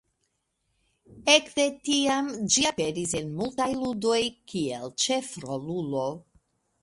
Ekde tiam, ĝi aperis en multaj ludoj kiel ĉefrolulo.